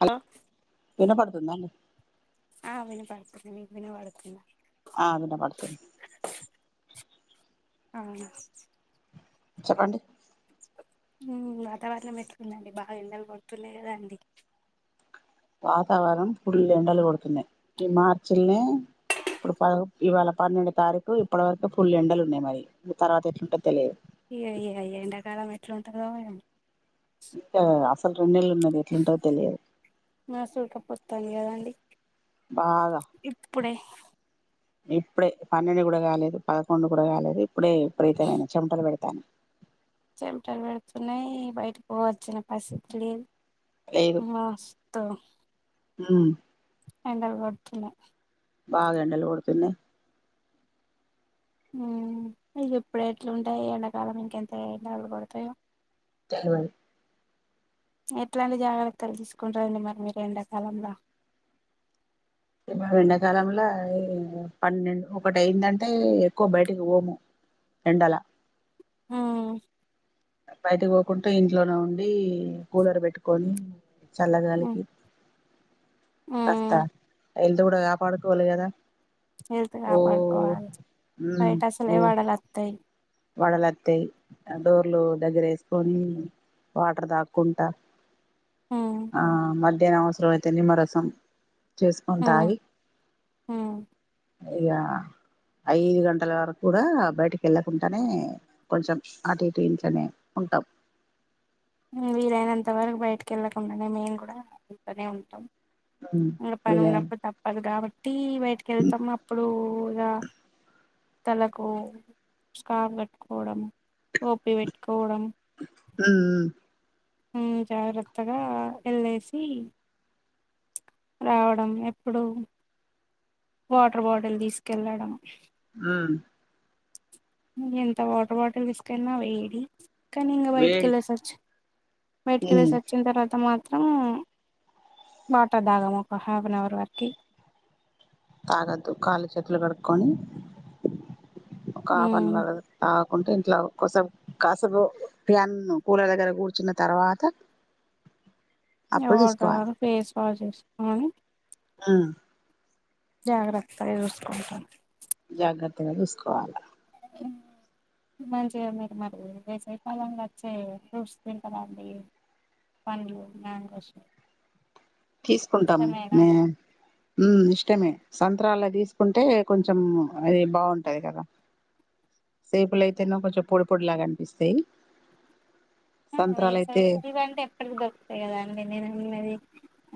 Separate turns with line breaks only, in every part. Hello వినపడుతుందా అండి
ఆ వినపడుతుంది మీకు వినపడుతుందా
ఆ వినపడుతుంది
అవును
చెప్పండి
ఉ వాతావరణం ఎట్లా ఉంది అండి బాగా ఎండలు కొడుతున్నాయి కదా అండి
వాతావరణం పుల్ ఎండలు కొడుతున్నాయి ఈ మార్చ్ ల్ నే ఇప్పుడు పదో ఇవాళ పన్నెండు తారీఖు ఇప్పటి వరకు ఫుల్ ఎండలు ఉన్నాయి మరి తర్వాత ఎట్లా ఉంటది తెలిదు
ఈ అయ్ అయ్ ఎండాకాలం ఎట్లాంటదో ఏమో
ఇత్త అసలు రెండు నెలలు ఉన్నది
ఉఫ్
ఎట్లుంటదో తెలియదు
మస్తు ఉడక పోతాంది కదండి
బాగా
ఇప్పుడే
ఇప్పుడే పన్నెండు కూడా కాలేదు పదకొండు కూడా కాలేదు ఇప్పుడే విపరీతమైన చెమటలు వేడు తాను
చెమటలు వడుతున్నాయి బైటకి పో వచ్చిన పస్ లేదు మస్తు తో
నాను
ఎండలు కొడుతున్నాయి
బాగా ఎండలు కొడుతున్నాయి
ఉ ఇవి ఎప్పుడు ఎట్లుంటాయి ఎండాకాలం ఇంకెంత ఎండలు కొడుతాయో
చాల్ వన్
ఎట్లాంటి జాగ్రత్తలు తీసుకుంటారండి మరి మీరు ఎండాకాలం లా
ఇగ మేము ఎండాకాలం లా పన్నెండు ఒకటి అయిందంటే ఎక్కువ బయటికి పోము ఎండల
ఉ
బయట కు పోకుంట ఇంట్లోనే ఉండి కూలర్ పెట్టుకొని
ఉమ్,
చల్లగాలికి కస్తా
ఉమ్,
హెల్త్ కూడా కాపాడుకోవాలి కదా
హెల్త్
ఓ
కాపాడుకోవాలి బైట అసలే వాడలు అత్తాయి
వడలు అత్తయ్ ఆ డోర్లు దగ్గర వేసుకొని వాటర్ తాగుకుంటా
హ్మ్
ఆ మధ్యాహ్నం అవసరం అయితే నిమ్మరసం చేసుకొని
హ్మ్
తాగి
హ్మ్
ఇగ ఐదు గంటల వరకు కూడా బయటికి వెళ్ళకుండానే కొంచెం అటు ఇటు ఇంట్లనే ఉంటాం
వీలైనంత వరకు బయటికి వెళ్ళకుండానే మేము కూడా ఇంట్లో నే ఉంటాం
ఉమ్
ఇక పని
వీలైనంత
ఉన్నప్పుడు తప్పదు కాాబట్టి టీ బయటకి వెళ్తాం అప్పుడు ఇక తలకు స్కాఫ్ కట్టుకోవడం టోపి పెట్టుకోవడం
హ
ఉ జాగ్రత్తగా వెళ్ళేసి రావడం ఎప్పుడు వాటర్ బాటిల్ తీసుకెళ్ళడం
ఆ
ఎంత వాటర్ బాటిల్ తీసుకెళ్ళినా వేడి కానీ ఇంకా బయటికి
వేడి
వెల్లేసొచ్చి బయటికి
ఉమ్
వెళ్లేసి వచ్చిన తర్వాత మాత్రం మాత్రం వాటర్ దాగాము ఒక హాఫ్ అన్ అవర్ వరకు
తాగద్దు కాళ్ళు చేతులు కడుకొని ఒక హఫ్
హ్మ్
అనవర్ వంటిమ్ట్లో కూసేపు కాసేపు ఫ్యాన్ కూలర్ దగ్గర కూర్చున్న తర్వాత అప్పుడు తీసుకోవాలి
టారు ఫేస్ వాష్ చేసుకొని
ఆ
జాగ్రత్తగా చూసుకుంటా
జాగ్రత్తగా చూసుకోవాలా
ఇ మంచిగా మీరు మరి వేసవి కాలంలో వచ్చే ఫ్రూట్స్ తింటారా అండి పండ్లు [unintelligible] మ వసం
తీసుకుంటాం మే ఉ ఇష్టమే సంత్రాాల తీసుకుంటే కొంచెం అది బాగుంటది కదా సేపులైతేను కొంచం పొడి పొడి లాగనిపిస్తయి
వేసవి ఇవంటే ఎప్పటికి దొరుకుతాయి కదా అండి నేను ఇక మరి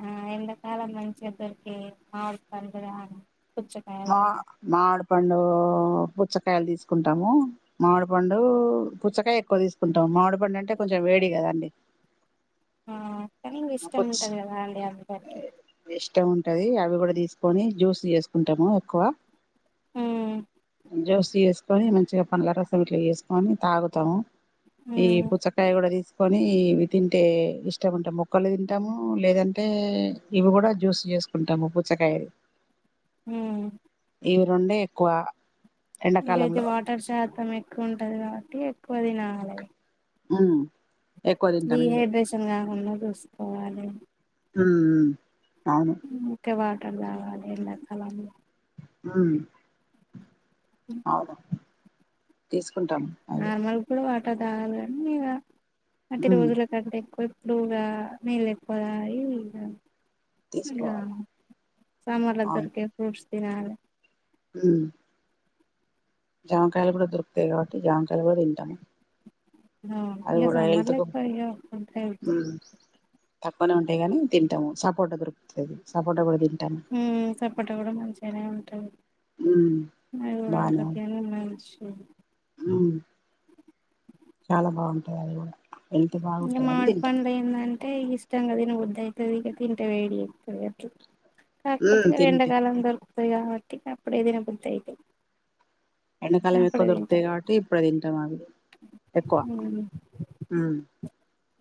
ఆ ఎండా కాాలం మంచిగ దొరికే మామిడి పండ్లు గాని పుచ్చకాయలు
మా
గాని
మామిడి పండు పుచ్చకాయలు తీసుకుంటాము మామిడి పండు పుచ్చకాయ ఎక్కువ తీసుకుంటాము మామిడిపండు అంటే కొంచెం వేడి కదండి
ఆ కానీ ఇష్టం
పుచ్చ
ఉంటది కదా అండి అందరికి
ఇష్టం ఉంటది అవి కూడా తీసుకొని జ్యూస్ చేసుకుంటాము ఎక్కువ
ఉమ్
జ్యూస్ చేసుకొని మంచిగా పండ్ల రసం ఇట్లా చేసుకొని తాగుతము ఈ
ఉమ్
పుచ్చకాయ కూడా తీసుకొని ఇవి తింటే ఇష్టం ఉంటే మొక్క ముక్కలు తింటాము లేదంటే ఇవి కూడా జ్యూస్ చేసుకుంటాము పుచ్చకాయ
హ
ఇవి రెండే ఎక్కువ
ఇదైతే
ఎండాకాలంలో
వాటర్ శాతం ఎక్కువ ఉంటది కాబట్టి ఎక్కువ తినాల
ఉ
డిహైడ్రేషన్ గాకుండా చూసుకోవాలి
హ హ
ఇ క వాటర్ తాగాలి ఎండా కాలంలో
ఉ అవును ఉంటాం అది
[unintelligible] పట్టదన్నీ ఇ అటి
ఉమ్
రోజుల కంటే ఎక్కువ ఇప్పుడుగా నీళ్లు ఎక్కువ దాగి ఇక ఇక
తీసుకోవాలి
సమ్మర్ లొ దొరికే ఫ్రూట్స్ తినాలె
హ జామకాయలు కూడా దొరుకుతాయి కాబట్టి జామకాయలు కూడా తింటాము
ఆ
అవి
ఇక
కూడా
సమ్మర్
హెల్త్
లొ
కు
[unintelligible] ఇ అంత హతు
ఉమ్ తక్కువనే ఉంటాయి గాని తింటాము సపోట దొరుకుతది సపోట కూడా తింటాము
ఉ సపోటా కూడా మంచిగానే ఉంటది
ఉమ్
అవి కూడా ఆరోగ్ నికీ మంచ్
మ్మ్ చాలా బాగుంటాయి అవి కూడా హెల్త్
ఇంగా
బాగుంటది అని తింటాం
మామిడిపండ్లు ఎందన్న అంటే ఇష్టంగా తినే బుద్ది అయితాది ఇక తింటే వేడి చేత్తాది కావచ్చు కాకపోతే
ఉమ్
ఇంకా
తింటే
ఎండాకాలం దొరుకుతాయి కాబట్టి అప్పుడే తిన బుద్ధి అయితాయి
ఎండాకాలం ఎక్కువ దొరుకుతాయి కాబట్టి ఇప్పుడు తింటాం అవి ఎక్కువ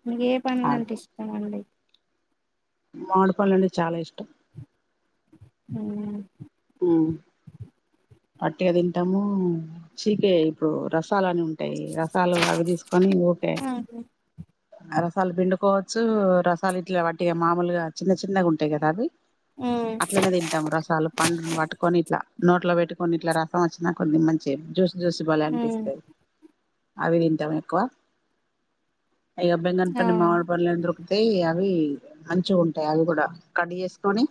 మీక ఏ పండ్లలంటే ఇష్టం అండి
మామిడిపండ్లు అంటే చాలా ఇష్టం
అ
అట్టే తింటాము మిక్స్ కి ఇప్పుడు రసాలని ఉంటాయి రసాలు అవి తీసుకొని ఓకే అవి వాళ్ళు పిండుకోని వచ్చి రసాలు ఇట్లు వాట్టి మామూలుగా చిన్న చిన్నగా ఉంటాయి కదా అవి అట్లనే తింటాము రసాలు పండ్లను పట్టుకొని ఇట్లా నోట్లో పెట్టుకొని ఇట్లా రసం వచ్చిన కొద్ది మంచిగా జ్యూస్ జ్యూస్ బలే
ఉమ్
అనిపిస్తాయి అవి తింటాం ఎక్కువ ఏ బంగన పల్లీ
అవును
మామిడి పళ్ళు అంటారు అంతే అవి మంచిగా ఉంటాయి అవి కూడా కట్ చేసుకొని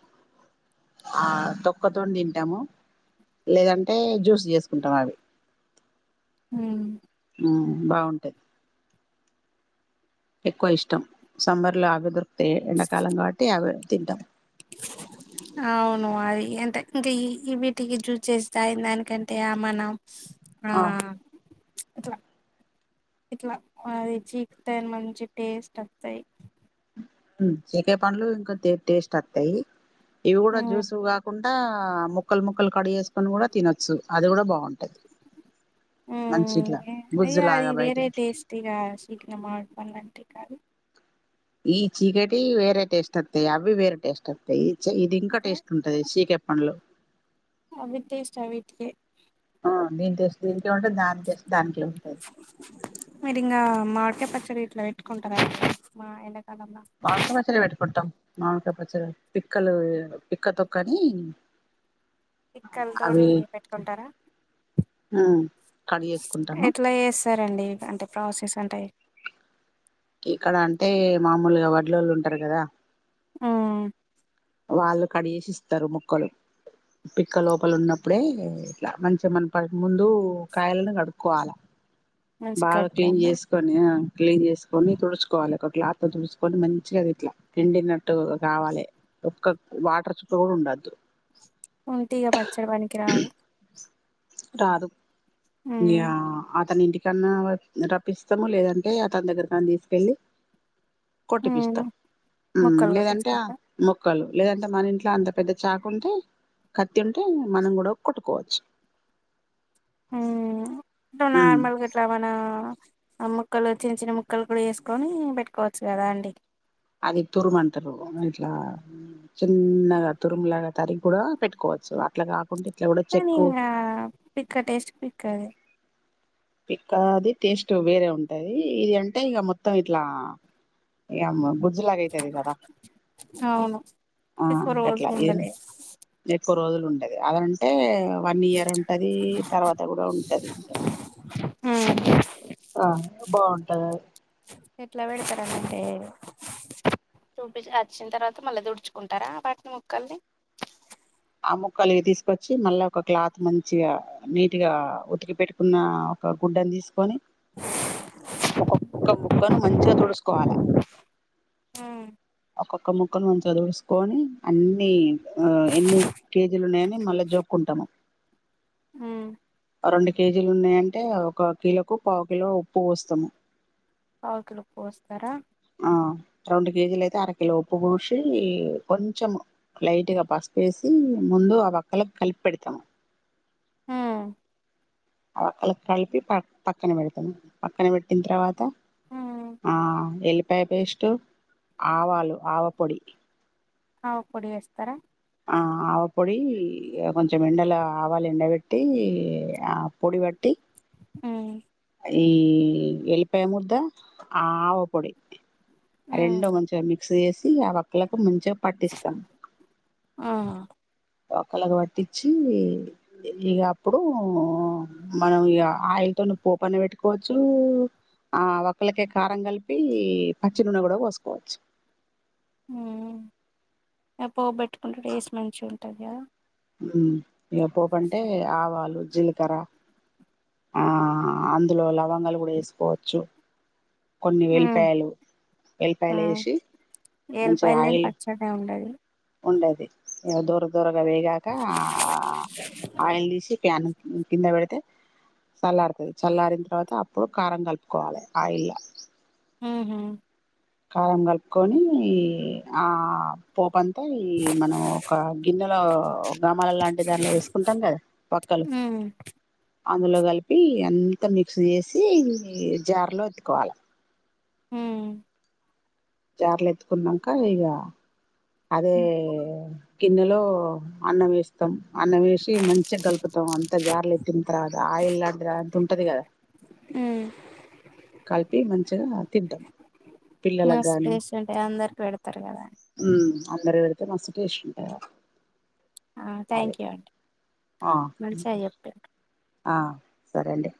ఆ తో తొక్కతోనే తింటాము లేదంటే జ్యూస్ చేసుకుంటాము అవి
ఉన
మ్మ్ బాగుంటాది ఎక్కువ ఇష్టం సమ్మర్ లో అవే దొరుకుతాయి ఎండాకాలం కాబట్టి అవి తింటాం
అవును అది ఎంత ఇంకా ఈ ఈ వీటికి జ్యూస్ చేసి తాగే దానికంటే మనం ఆ ఇట్లా ఇట్లా అది చీకితే మంచి టేస్ట్ వస్తాయి
చికే పండ్లు ఇంకా కొద్ది టేస్ట్ వస్తాయి ఇవి కూడా
ఉమ్
జ్యూస్ కాకుండా ఆ ముక్కలు ముక్కలు కడుగు ఎసుకొని కూడా తినొచ్చు అది కూడా బాగుంటది
ఆ
మంచి ఇట్లా
ఉనే అది
గుజ్జులాగా
వేరే
బయటికి
టెస్ట్ ఇగ చికిన మామిడి పండ్లు అంటే కాదు
ఈ చీకెటివి వేరే టేస్ట్ వస్తాయి అవి వేరే టేస్ట్ వత్తాయి ఇది ఇంకా టేస్ట్ ఉంటాది చీకె పండ్లు
అవి టేస్టా వీటికి
ఆ దీని టేస్టే దీనికే ఉంటాది దాని టేస్ట్ దానికే ఉంటాది
మీరి ఇంకా మామిడికాయ పచ్చడి ఎట్లా పెట్టుకుంటారు అండి ఆ ఎండ
మామిడికాయ పచ్చడి పెట్టుకుంటాం మామిడి కాయ పచ్చడి పిక్కలు పిక్కతొక్కని..
పిక్కల తోని పెట్టుకుంటారా
కట్ చేసుకుంటాము
ఎట్లా చేస్తారండి అంటే ప్రాసెస్ ఉంటాయి
ఇక్కడ అంటే మామూలుగా వడ్లోళ్ళు ఉంటారు కదా
ఆ
వాళ్ళు కడిగేసి ఇస్తారు ముక్కలు పిక్క లోపల ఉన్నప్పుడే ఎ ఇట్ల మంచిగా మన్ ప ముందు కాయలను కడుక్కోవాల
మంచిగా
బాగా క్లీన్
కడుక్కోనా
చేసుకొని ఆ క్లీన్ చేసుకొని తుడుచుకోవాలి ఒక క్లాత్ తుడుచుకొని మంచిగా ఇట్లా పిండినట్టు కావాలే ఒక్క వాటర్ చుక్క కూడ ఉండద్దు
ఉంటే ఇగ పచ్చడ పనికి రాద
రాదు
ఉమ్
యా అతని ఇంటికన్నా రప్పిస్తము లేదంటే అతని దగ్గరికి కన్నా తీసుకెళ్ళి
ఉమ్
కొట్టిపిస్తం మ్మ్
ముక్కలు
లేదంటే ఆ
కొట్టించుకుంటా
మొక్కలు లేదంటే మన ఇంట్ల అంత పెద్ద చాకు ఉంటే, కత్తి ఉంటే మనం గూడ కొట్టుకోవచ్చు.
మ్
ఉమ్
నార్మల్ గా ఇట్ల మనా ఆ ముక్కలు చిన్న చిన్న ముక్కలు గూడ ఏసుకొని పెట్టుకోవచ్చు గదా అండి
అది తురుము అంటారు ఇట్ల చిన్నగా తురుములగా తరిగి గడా పెట్టుకోవాలి సొ అట్ల గాని
కని ఇంగా పిక్క టెస్ట్ పిక్కదే
పిక్కా అది టేస్ట్ వేరే ఉంటది ఇది అంటే ఇగ మొత్తం ఇట్లా ఎ అమ్మ గుజ్జు లాగ అయితది కదా
అవును
ఆ
ఎక్కువ
గట్ల
రోజులు
ఎ
ఉండలే
ఎక్కువ రోజులుండ్ అదుంటే వన్ ఇయర్ ఉంటది ఇ తర్వాత గూడ ఉంటది ఇంక
మ్మ్
కదా
ఎట్ల పెడుతారంటే చూపిచి అచ్చిన తర్వాత మళ్ళ తుడుచుకుంటారా వాటిని ముక్కల్ని
ఆ ముక్కలు తీసుకొచ్చి మళ్ళ ఒక క్లాత్ మంచిగా నీట్ గా ఉతికి పెట్టుకున్న ఒక గుడ్డ తీసుకొని ఒక్కొక్క ముక్కను మంచిగా తుడుసుకోవాల
ఉమ్
ఒక్కొక్క ముక్కను మంచిగ తుడుసుకొని అన్ని ఆ ఇన్ కేజీలున్నాయని మళ్ళా జోక్కుంటాము
ఉమ్
ఆ రెండు కేజీలు ఉన్నయంటే ఒక కిలోకు పావు కిలో ఉప్పు పోస్తము
పావుకిలో పోస్తరా
ఆ రెండు కేజీలు అయితే అరకిలో ఉప్పు బోషి ఇ కొంచెం లైట్గా పసుపేసి మ్మ్ ముందు ఆ వక్కలకు కలిపి పెడత
ఉ
వక్కలకి కలిపి ప పక్కన పెడుతం పక్కన పెట్టిన తర్వాత ఆ ఎల్లిపాయ పేస్టు, ఆవాలు, ఆవపొడి
ఆవపొడి వేస్తారా
ఆ ఆవపొడి ఇగ కొంచెం ఎండలా ఆవాలు ఎండబెట్టి ఆ పొడి వట్టీ
ఉ
ఈ వెల్లిపాయ ముద్ద ఆ ఆవపొడి రెండు మంచిగ మిక్ వేసి ఆ వక్కలకు మంచిగ పట్టిస్తాం
ఆహా
ఒక్కలకి పట్టిచ్చి ఇగ అప్పుడు మనం ఇగ ఆయ్ తొని పోప్ అన్న పెట్టుకోవచ్చూ ఆ వక్కలకే కారం కలిపీ పచ్చి నూనె కూడ పోసుకోవచ్చు
ఉమ్ ఆ పోపు పెట్టుకుంటే టేస్ట్ మంచి ఉంటదా
ఉ ఇక పోపంటే ఆవాలు, జీలకర్ర ఆ అందులో లవంగాలు కూడా వేసుకోవచ్చు కొన్ని
హ్మ్
వెల్లిపాయలు, ఎల్లిపాయలు
హ్మ్
వేసి మంచిగా
ఎల్లిపాయలు లేని
ఆయిల్
పచ్చడే ఉండది
ఉండది దోర దోరగా వేగాక ఆయిల్ తీసి ప్యాన్ ఉ కింద పెడితే చల్లారుతుంది చల్లారిన తర్వాత అప్పుడు కారం కలుపుకోవాలి ఆయిల్లా
ఉహు
కారం కలుపుకొని ఆ పోపన్ తాయి మనం ఒక గిన్నెలో గామాల లాంటి దానిలో వేసుకుంటాం కదా వక్కలు
[unintelligible]
అందులో కలిపి అంత మిక్స్ చేసి జార్లో ఎత్తుకోవాలి
ఉ
జార్లో ఎత్తుకున్నాక ఇక అదే గిన్నెలో అన్నం వేస్తాం అన్నం వేసి మంచిగా కలుపుతాం అంత జార్లు ఎత్తిన తర్వాత ఆయిల్ లాంటిది అంత ఉంటది కదా
మ్
కలిపి మంచిగా తింటాం పిల్లలకు
మస్తు
గాని
టేస్ట్ ఉంటాయి అందరికి పెడతారు కదా
అందరూ పెడితే మస్తు టేస్ట్ ఉంటది అదే
థ్యాంక్ యూ అండి
ఆ
మంచిగా చెప్పారు
ఆ సరే అండి